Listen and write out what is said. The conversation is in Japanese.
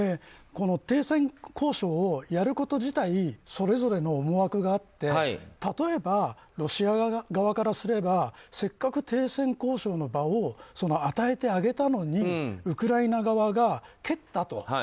停戦交渉をやること自体それぞれの思惑があって例えば、ロシア側からすればせっかく停戦交渉の場を与えてあげたのにウクライナ側が蹴ったと。